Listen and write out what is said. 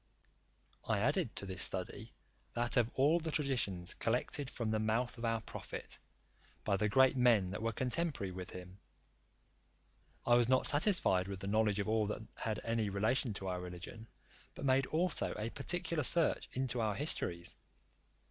I added to this study, that of all the traditions collected from the mouth of our prophet, by the great men that were contemporary with him. I was not satisfied with the knowledge of all that had any relation to our religion, but made also a particular search into our histories.